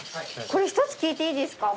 １つ聞いていいですか？